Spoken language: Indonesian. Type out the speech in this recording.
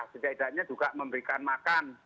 sejajarnya juga memberikan makan